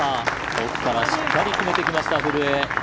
奥からしっかり決めてきました古江。